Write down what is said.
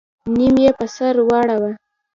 نيم يې په سر واړوه.